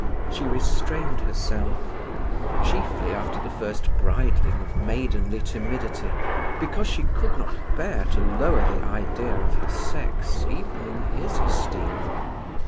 She restrained herself; chiefly, after the first bridling of maidenly timidity, because she could not bear to lower the idea of her sex even in his esteem.